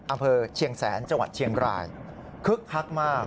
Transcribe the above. อำเภอเชียงแสนจังหวัดเชียงรายคึกคักมาก